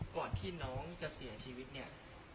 ก่อนที่น้องจะเสียชีวิตเนี่ย